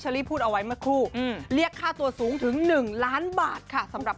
ลี่พูดเอาไว้เมื่อครูเรียกค่าตัวสูงถึง๑ล้านบาทค่ะสำหรับ